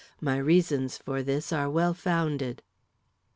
My reasons for this are well founded.